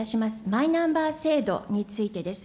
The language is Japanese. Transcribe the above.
マイナンバー制度についてです。